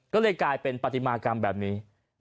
ก็เลยกลายเป็นปฏิมากรรมแบบนี้